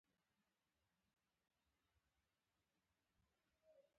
بله ژبه زده کول ښه کار دی خو لومړيتوب د خپلې ژبې وي